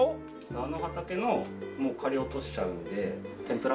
あの畑のもう刈り落としちゃうんで天ぷら。